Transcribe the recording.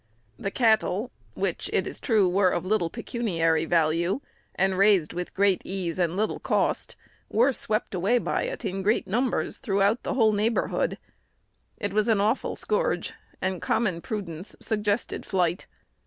The cattle, which, it is true, were of little pecuniary value, and raised with great ease and little cost, were swept away by it in great numbers throughout the whole neighborhood. It was an awful scourge, and common prudence suggested flight.